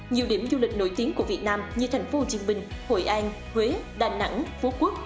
nhiều điểm du lịch nổi tiếng của việt nam như thành phố hồ chí minh hội an huế đà nẵng phú quốc